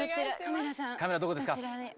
カメラどこですか？